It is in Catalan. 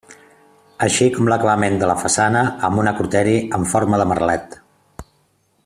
Així com l'acabament de la façana amb un acroteri en forma de merlet.